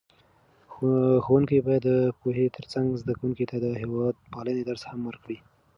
ښوونکي باید د پوهې ترڅنګ زده کوونکو ته د هېوادپالنې درس هم ورکړي.